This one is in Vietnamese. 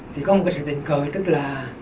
thì có một cái sự tình cờ tức là